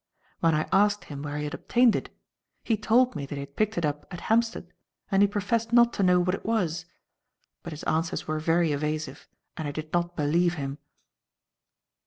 When I asked him where he had obtained it, he told me that he had picked it up at Hampstead, and he professed not to know what it was. But his answers were very evasive and I did not believe him."